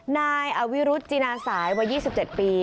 นายอวิรุธจินาสายวัย๒๗ปี